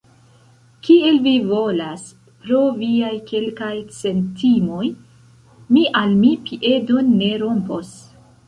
Kiel vi volas; pro viaj kelkaj centimoj mi al mi piedon ne rompos.